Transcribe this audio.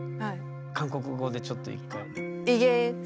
韓国語でちょっと１回。